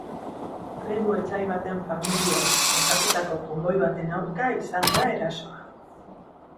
Tribu etsai baten familiek osatutako konboi baten aurka izan da erasoa.